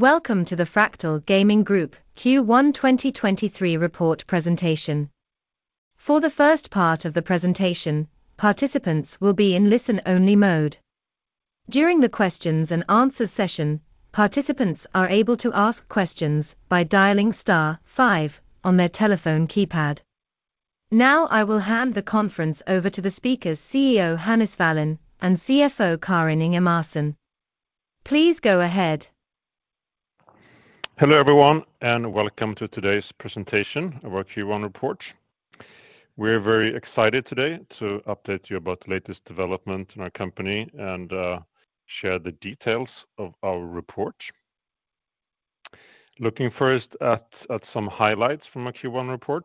Welcome to the Fractal Gaming Group Q1 2023 report presentation. For the first part of the presentation, participants will be in listen-only mode. During the questions and answers session, participants are able to ask questions by dialing star five on their telephone keypad. I will hand the conference over to the speakers, CEO Hannes Wallin and CFO Karin Ingemarson. Please go ahead. Hello, everyone, and welcome to today's presentation of our Q1 report. We're very excited today to update you about the latest development in our company and share the details of our report. Looking first at some highlights from our Q1 report.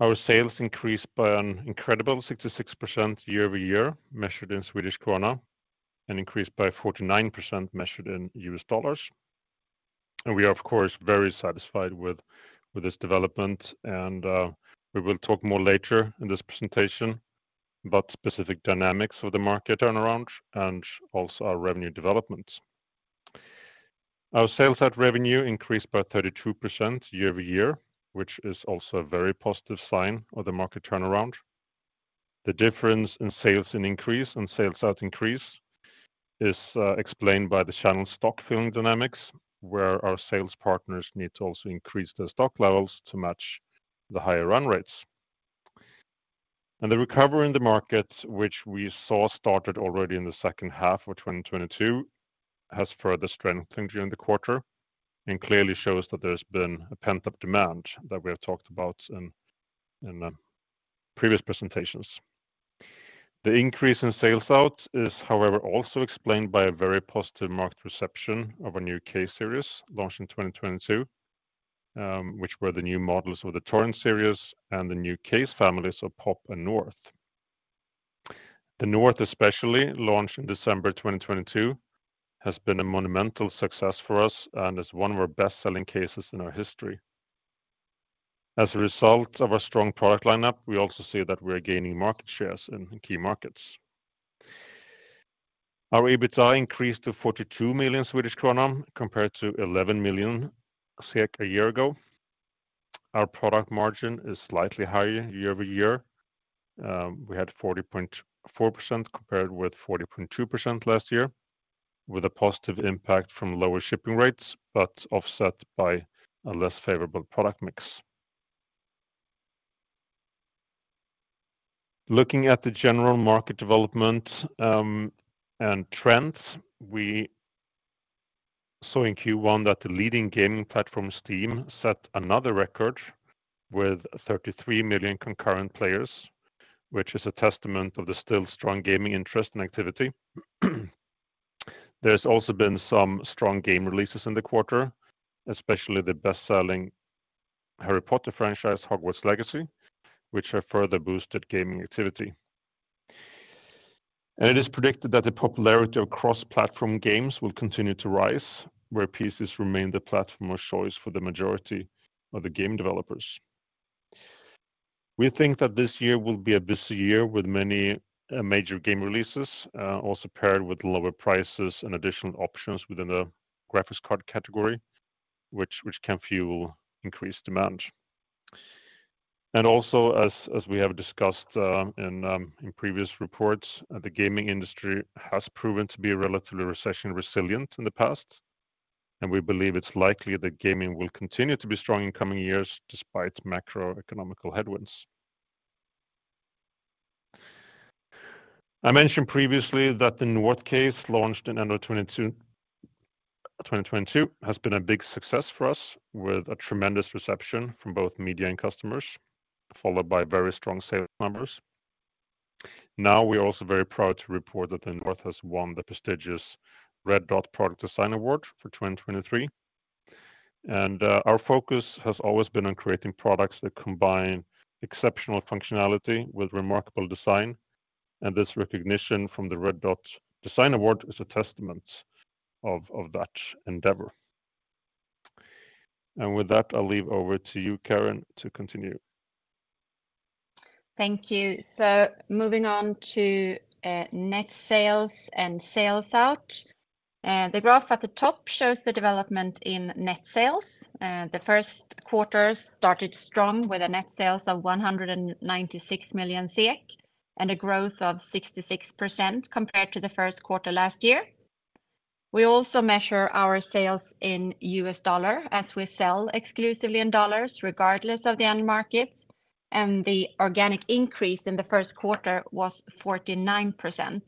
Our sales increased by an incredible 66% year-over-year, measured in Swedish krona and increased by 49% measured in US dollars. We are, of course, very satisfied with this development and we will talk more later in this presentation about specific dynamics of the market turnaround and also our revenue developments. Our sales at revenue increased by 32% year-over-year, which is also a very positive sign of the market turnaround. The difference in sales and increase and sales out increase is explained by the channel stock filling dynamics, where our sales partners need to also increase their stock levels to match the higher run rates. The recovery in the market, which we saw started already in the second half of 2022, has further strengthened during the quarter and clearly shows that there's been a pent-up demand that we have talked about in previous presentations. The increase in sales out is, however, also explained by a very positive market reception of our new case series launched in 2022, which were the new models of the Torrent series and the new case families of Pop and North. The North especially launched in December 2022, has been a monumental success for us and is one of our best-selling cases in our history. As a result of our strong product lineup, we also see that we are gaining market shares in key markets. Our EBITDA increased to 42 million Swedish kronor, compared to 11 million a year ago. Our product margin is slightly higher year-over-year. We had 40.4% compared with 40.2% last year, with a positive impact from lower shipping rates, but offset by a less favorable product mix. Looking at the general market development and trends, we saw in Q1 that the leading gaming platform, Steam, set another record with 33 million concurrent players, which is a testament of the still strong gaming interest and activity. There's also been some strong game releases in the quarter, especially the best-selling Harry Potter franchise, Hogwarts Legacy, which have further boosted gaming activity. It is predicted that the popularity of cross-platform games will continue to rise, where PCs remain the platform of choice for the majority of the game developers. We think that this year will be a busy year with many major game releases, also paired with lower prices and additional options within the graphics card category, which can fuel increased demand. Also as we have discussed in previous reports, the gaming industry has proven to be relatively recession resilient in the past, and we believe it's likely that gaming will continue to be strong in coming years despite macroeconomic headwinds. I mentioned previously that the North case launched in end of 2022, has been a big success for us with a tremendous reception from both media and customers, followed by very strong sales numbers. We are also very proud to report that the North has won the prestigious Red Dot Product Design Award for 2023. Our focus has always been on creating products that combine exceptional functionality with remarkable design. This recognition from the Red Dot Design Award is a testament of that endeavor. With that, I'll leave over to you, Karin, to continue. Thank you. Moving on to net sales and sales out. The graph at the top shows the development in net sales. The first quarters started strong with a net sales of 196 million, and a growth of 66% compared to the first quarter last year. We also measure our sales in US dollar, as we sell exclusively in dollars, regardless of the end market, and the organic increase in the first quarter was 49%.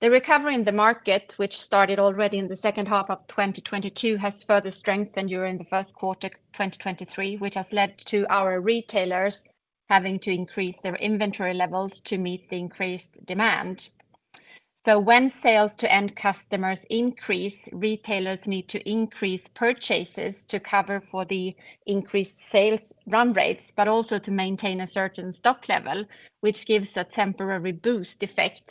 The recovery in the market, which started already in the second half of 2022, has further strengthened during the first quarter 2023, which has led to our retailers having to increase their inventory levels to meet the increased demand. When sales to end customers increase, retailers need to increase purchases to cover for the increased sales run rates, but also to maintain a certain stock level, which gives a temporary boost effect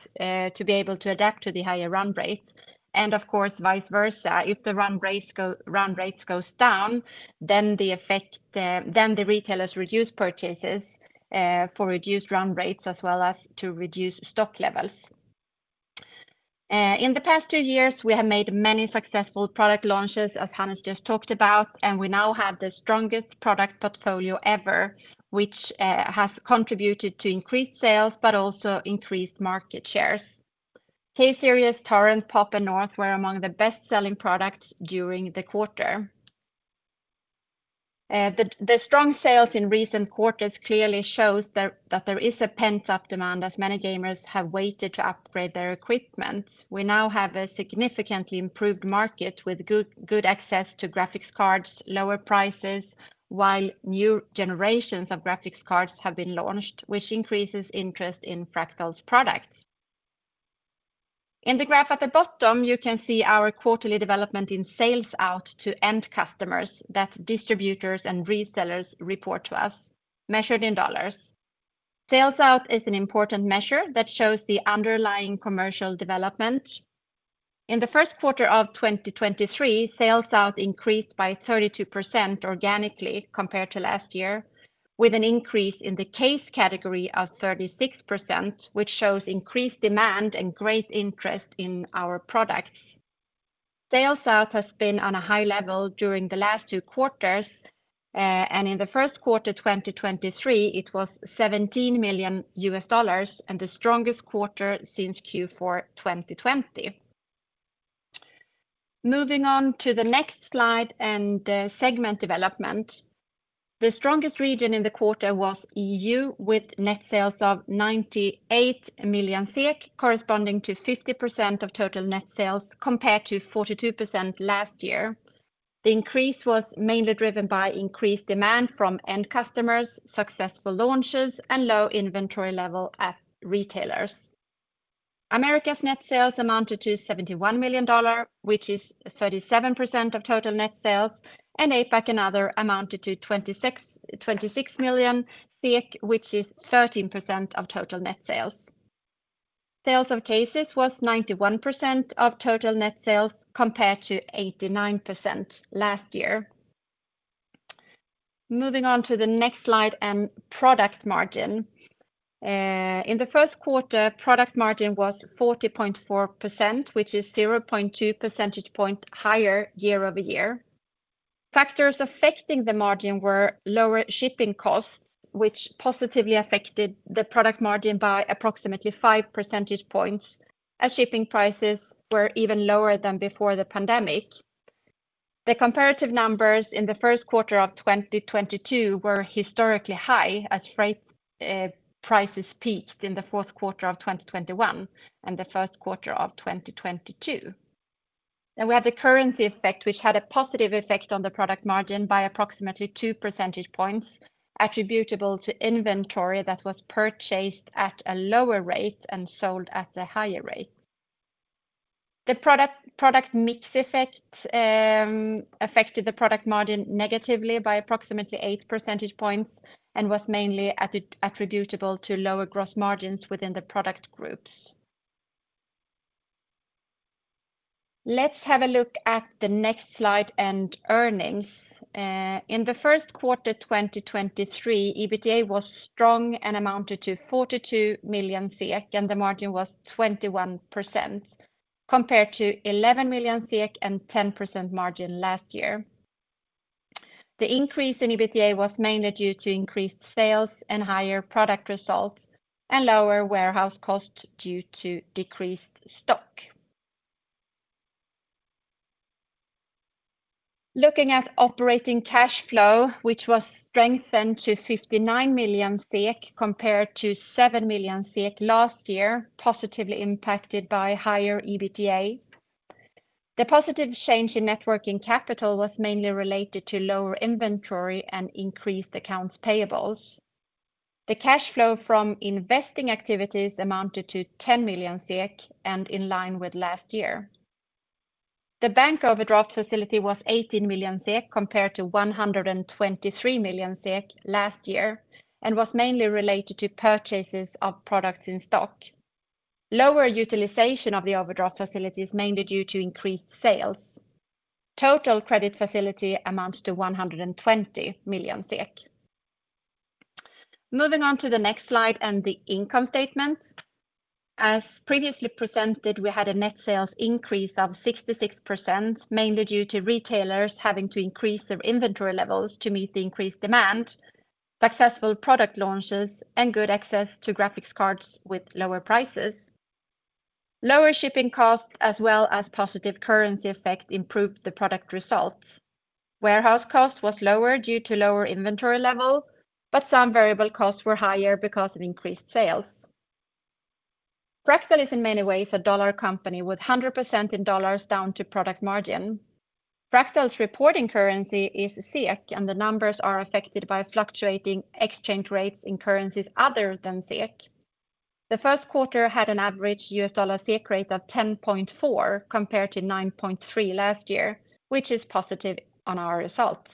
to be able to adapt to the higher run rates. Of course, vice versa. If the run rates goes down, then the effect, then the retailers reduce purchases for reduced run rates as well as to reduce stock levels. In the past two years, we have made many successful product launches, as Hannes just talked about, and we now have the strongest product portfolio ever, which has contributed to increased sales but also increased market shares. Case series, Torrent, Pop and North were among the best-selling products during the quarter. The strong sales in recent quarters clearly shows that there is a pent-up demand as many gamers have waited to upgrade their equipment. We now have a significantly improved market with good access to graphics cards, lower prices, while new generations of graphics cards have been launched, which increases interest in Fractal's products. In the graph at the bottom, you can see our quarterly development in sales out to end customers that distributors and resellers report to us measured in dollars. Sales out is an important measure that shows the underlying commercial development. In the first quarter of 2023, sales out increased by 32% organically compared to last year, with an increase in the case category of 36%, which shows increased demand and great interest in our products. Sales out has been on a high level during the last two quarters. In the first quarter 2023, it was $17 million and the strongest quarter since Q4 2020. Moving on to the next slide and segment development. The strongest region in the quarter was EU, with net sales of 98 million, corresponding to 50% of total net sales compared to 42% last year. The increase was mainly driven by increased demand from end customers, successful launches, and low inventory level at retailers. America's net sales amounted to $71 million, which is 37% of total net sales, and APAC and other amounted to 26 million, which is 13% of total net sales. Sales of Cases was 91% of total net sales compared to 89% last year. Moving on to the next slide and product margin. In the first quarter, product margin was 40.4%, which is 0.2 percentage point higher year-over-year. Factors affecting the margin were lower shipping costs, which positively affected the product margin by approximately 5 percentage points as shipping prices were even lower than before the pandemic. The comparative numbers in the first quarter of 2022 were historically high as freight prices peaked in the fourth quarter of 2021 and the first quarter of 2022. We had the currency effect, which had a positive effect on the product margin by approximately 2 percentage points attributable to inventory that was purchased at a lower rate and sold at a higher rate. The product mix effect affected the product margin negatively by approximately 8 percentage points and was mainly attributable to lower gross margins within the product groups. Let's have a look at the next slide and earnings. In the first quarter 2023, EBITDA was strong and amounted to 42 million, and the margin was 21%, compared to 11 million and 10% margin last year. The increase in EBITDA was mainly due to increased sales and higher product results and lower warehouse costs due to decreased stock. Looking at operating cash flow, which was strengthened to 59 million SEK compared to 7 million SEK last year, positively impacted by higher EBITDA. The positive change in net working capital was mainly related to lower inventory and increased accounts payables. The cash flow from investing activities amounted to 10 million and in line with last year. The bank overdraft facility was 18 million compared to 123 million last year and was mainly related to purchases of products in stock. Lower utilization of the overdraft facility is mainly due to increased sales. Total credit facility amounts to 120 million SEK. Moving on to the next slide and the income statement. As previously presented, we had a net sales increase of 66%, mainly due to retailers having to increase their inventory levels to meet the increased demand, successful product launches, and good access to graphics cards with lower prices. Lower shipping costs as well as positive currency effects improved the product results. Warehouse cost was lower due to lower inventory level, some variable costs were higher because of increased sales. Fractal is in many ways a dollar company with 100% in dollars down to product margin. Fractal's reporting currency is SEK. The numbers are affected by fluctuating exchange rates in currencies other than SEK. The first quarter had an average US dollar SEK rate of 10.4 compared to 9.3 last year, which is positive on our results.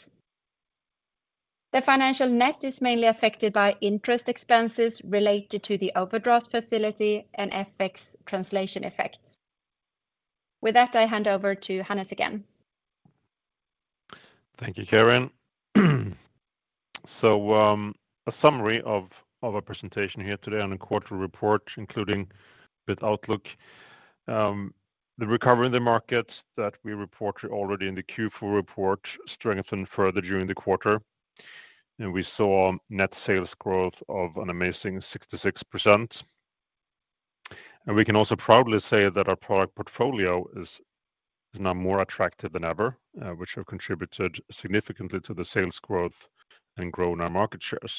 The financial net is mainly affected by interest expenses related to the overdraft facility and FX translation effects. With that, I hand over to Hannes again. Thank you, Karin. A summary of our presentation here today on the quarterly report, including with outlook. The recovery in the markets that we reported already in the Q4 report strengthened further during the quarter, and we saw net sales growth of an amazing 66%. We can also proudly say that our product portfolio is now more attractive than ever, which have contributed significantly to the sales growth and grown our market shares.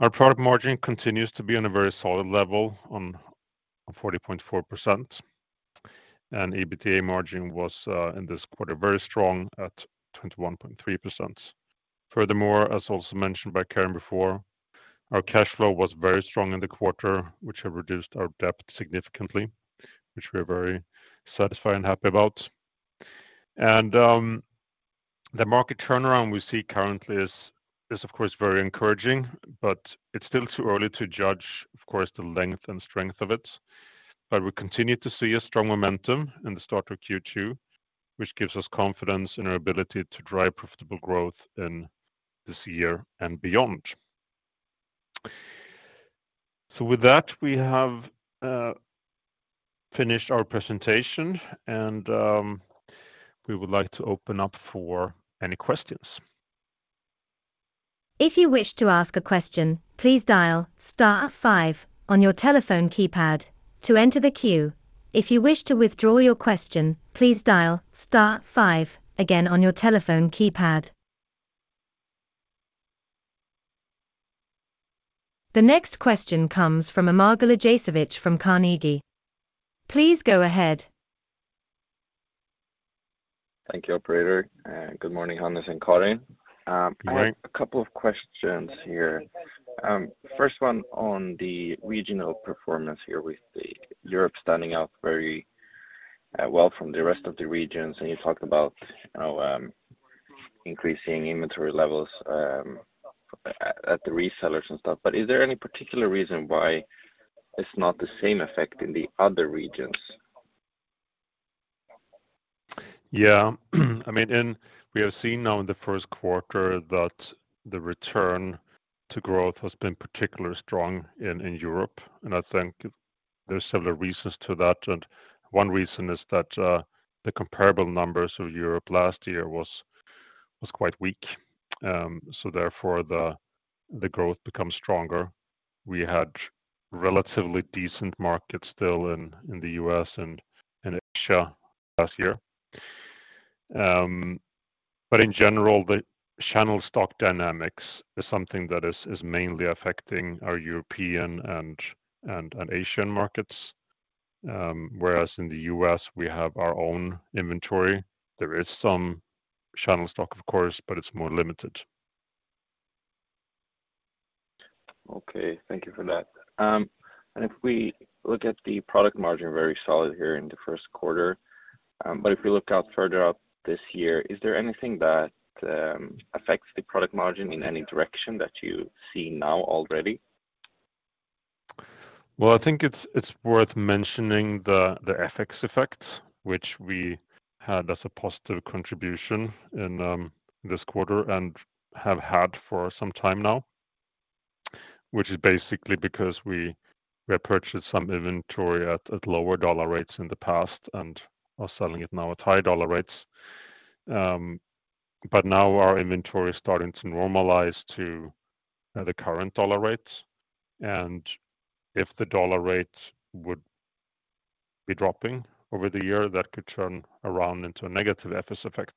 Our product margin continues to be on a very solid level on 40.4%, and EBITDA margin was in this quarter very strong at 21.3%. As also mentioned by Karin before, our cash flow was very strong in the quarter, which have reduced our debt significantly, which we are very satisfied and happy about. The market turnaround we see currently is of course very encouraging, but it's still too early to judge, of course, the length and strength of it. We continue to see a strong momentum in the start of Q2, which gives us confidence in our ability to drive profitable growth in this year and beyond. With that, we have finished our presentation and we would like to open up for any questions. If you wish to ask a question, please dial star five on your telephone keypad to enter the queue. If you wish to withdraw your question, please dial star five again on your telephone keypad. The next question comes from Amar Galijasevic from Carnegie. Please go ahead. Thank you, operator, and good morning, Hannes and Karin. Good morning. I have a couple of questions here. First one on the regional performance here with the Europe standing out very well from the rest of the regions. You talk about how increasing inventory levels at the resellers and stuff. Is there any particular reason why it's not the same effect in the other regions? Yeah. I mean, we have seen now in the first quarter that the return to growth has been particularly strong in Europe. I think there are several reasons to that. One reason is that the comparable numbers of Europe last year was quite weak. Therefore, the growth becomes stronger. We had relatively decent markets still in the U.S. and in Asia last year. In general, the channel stock dynamics is something that is mainly affecting our European and Asian markets. Whereas in the U.S., we have our own inventory. There is some channel stock, of course, but it's more limited. Okay. Thank you for that. If we look at the product margin, very solid here in the first quarter. If we look out further out this year, is there anything that affects the product margin in any direction that you see now already? Well, I think it's worth mentioning the FX effect, which we had as a positive contribution in this quarter and have had for some time now, which is basically because we had purchased some inventory at lower dollar rates in the past and are selling it now at higher dollar rates. But now our inventory is starting to normalize to the current dollar rates. If the dollar rate would be dropping over the year, that could turn around into a negative FX effect.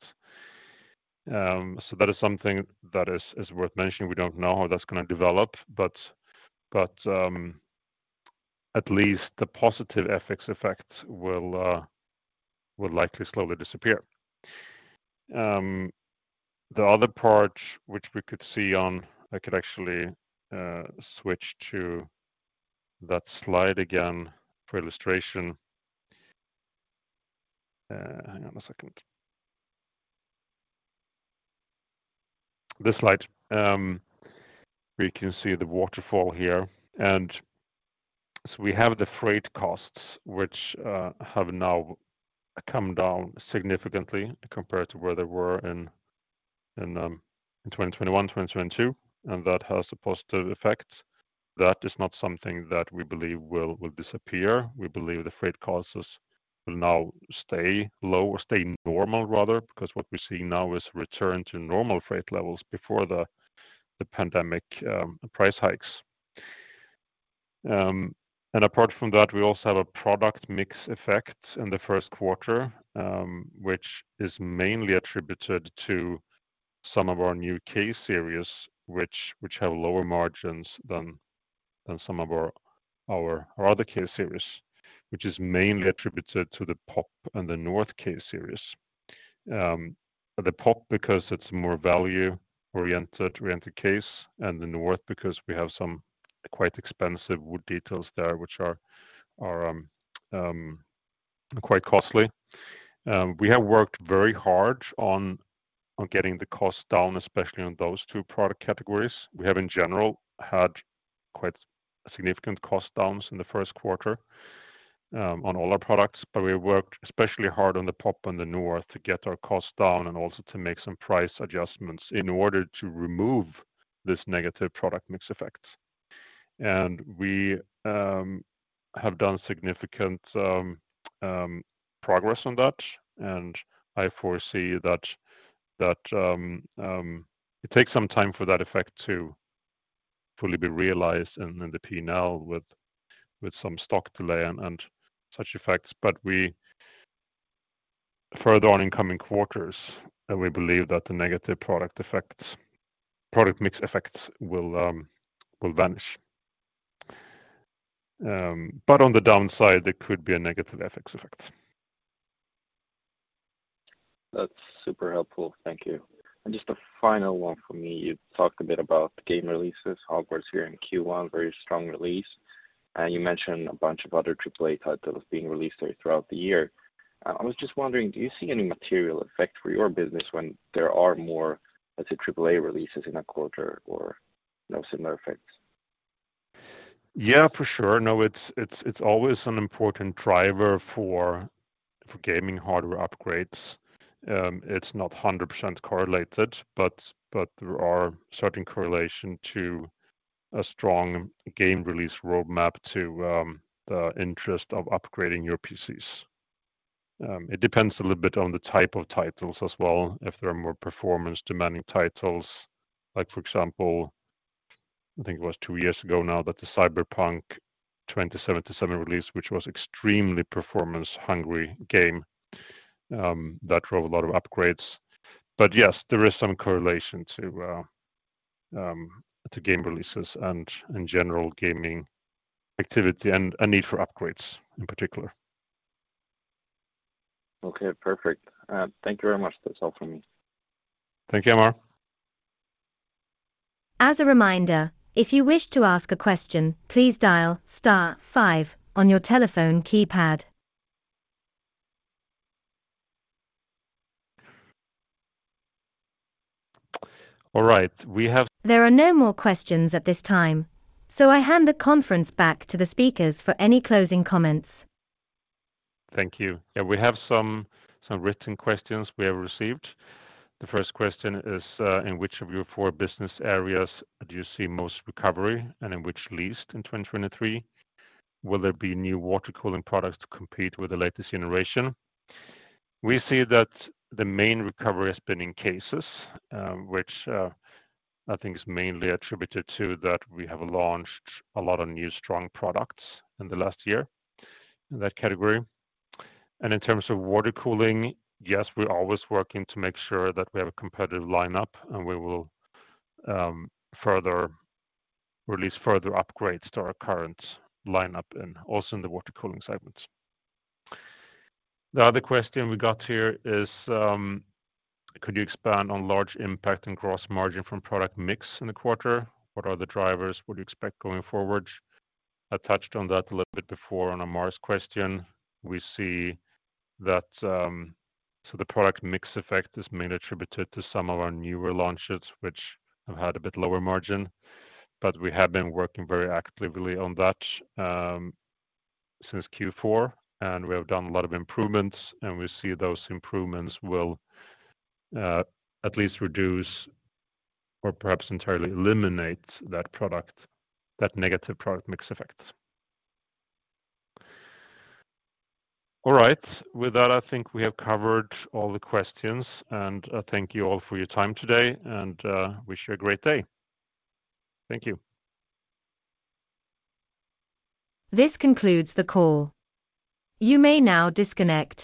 So that is something that is worth mentioning. We don't know how that's going to develop, but at least the positive FX effect will likely slowly disappear. The other part which we could see on... I could actually switch to that slide again for illustration. Hang on a second. This slide. We can see the waterfall here. We have the freight costs, which have now come down significantly compared to where they were in 2021, 2022, and that has a positive effect. That is not something that we believe will disappear. We believe the freight costs will now stay low or stay normal rather, because what we see now is return to normal freight levels before the pandemic price hikes. Apart from that, we also have a product mix effect in the first quarter, which is mainly attributed to some of our new Kelvin Series which have lower margins than some of our other Kelvin Series, which is mainly attributed to the Pop and the North Kelvin Series. The Pop because it's more value-oriented case, and the North because we have some quite expensive wood details there which are quite costly. We have worked very hard on getting the cost down, especially on those two product categories. We have in general had quite significant cost downs in the first quarter. On all our products, but we worked especially hard on the Pop and the North to get our costs down and also to make some price adjustments in order to remove this negative product mix effect. We have done significant progress on that, and I foresee that it takes some time for that effect to fully be realized in the P&L with some stock delay and such effects. Further on incoming quarters, we believe that the negative product mix effects will vanish. On the downside, there could be a negative FX effect. That's super helpful. Thank you. Just a final one for me. You talked a bit about game releases, Hogwarts here in Q1, very strong release. You mentioned a bunch of other AAA titles being released throughout the year. I was just wondering, do you see any material effect for your business when there are more, let's say, AAA releases in a quarter or no similar effects? Yeah, for sure. It's always an important driver for gaming hardware upgrades. It's not 100% correlated, but there are certain correlation to a strong game release roadmap to the interest of upgrading your PCs. It depends a little bit on the type of titles as well. If there are more performance demanding titles, like for example, I think it was two years ago now that the Cyberpunk 2077 release, which was extremely performance hungry game, that drove a lot of upgrades. Yes, there is some correlation to game releases and in general gaming activity and a need for upgrades in particular. Okay, perfect. Thank you very much. That's all from me. Thank you, Amar. As a reminder, if you wish to ask a question, please dial star five on your telephone keypad. All right. There are no more questions at this time, so I hand the conference back to the speakers for any closing comments. Thank you. Yeah, we have some written questions we have received. The first question is, in which of your four business areas do you see most recovery and in which least in 2023? Will there be new water cooling products to compete with the latest generation? We see that the main recovery has been in cases, which I think is mainly attributed to that we have launched a lot of new strong products in the last year in that category. In terms of water cooling, yes, we're always working to make sure that we have a competitive lineup, and we will release further upgrades to our current lineup and also in the water cooling segments. The other question we got here is, could you expand on large impact and gross margin from product mix in the quarter? What are the drivers? What do you expect going forward? I touched on that a little bit before on Amar's question. We see that the product mix effect is mainly attributed to some of our newer launches, which have had a bit lower margin, but we have been working very actively on that since Q4, and we have done a lot of improvements, and we see those improvements will at least reduce or perhaps entirely eliminate that product, that negative product mix effect. All right. With that, I think we have covered all the questions, and thank you all for your time today and wish you a great day. Thank you. This concludes the call. You may now disconnect.